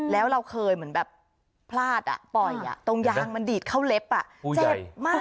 แล้วเราเคยเหมือนแบบพลาดอ่ะปล่อยอ่ะตรงยางมันดีดเข้าเล็บอ่ะ